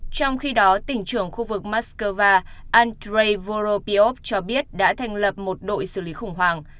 trong khi đó tỉnh trưởng khu vực moscow andrey voropiov cho biết đã thành lập một đội xử lý khủng hoảng